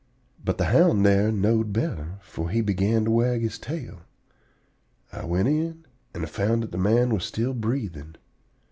But the hound here knowed better, for he began to wag his tail. I went in, and found that the man was still breathing.